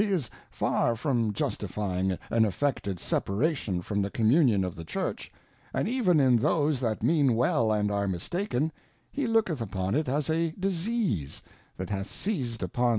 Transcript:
is far from justifying an affectedT separation from the Communian o:^ the Church, and even in those that mean well and are mistaken, he looketh upon it as a Disease, that hath, seized upon.